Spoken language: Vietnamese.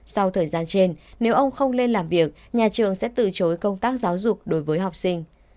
sau thời gian trên nếu ông không lên làm việc nhà trường sẽ từ chối công tác giáo dục đối với học sinh